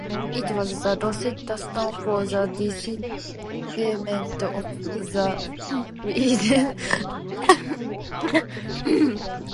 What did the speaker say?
It was the "Rosetta Stone" for the decipherment of the Lydian language.